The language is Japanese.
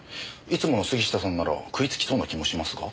いつもの杉下さんなら食いつきそうな気もしますが。